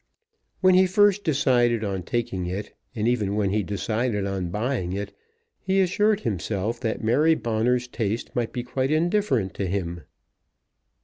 When he first decided on taking it, and even when he decided on buying it, he assured himself that Mary Bonner's taste might be quite indifferent to him.